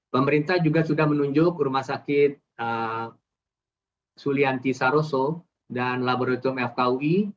pemerintah juga sudah menunjuk rumah sakit sulianti saroso dan laboratorium fkui